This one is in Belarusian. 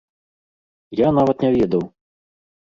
Я нават не ведаў.